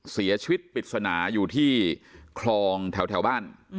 เสียชีวิตปริศนาอยู่ที่คลองแถวบ้าน